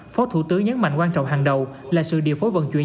phó thủ tướng nhấn mạnh quan trọng hàng đầu là sự điều phối vận chuyển